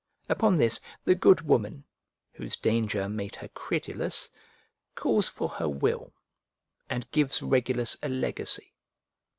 Upon this the good woman, whose danger made her credulous, calls for her will and gives Regulus a legacy.